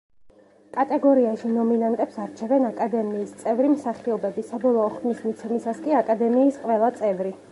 კატეგორიაში ნომინანტებს არჩევენ აკედემიის წევრი მსახიობები, საბოლოო ხმის მიცემისას კი აკადემიის ყველა წევრი.